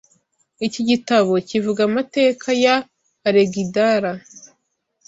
Iki gitabo kivuga amateka ya Alegindara